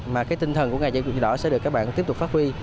mà cái tinh thần của ngày chủ nhật đỏ sẽ được các bạn tiếp tục phát huy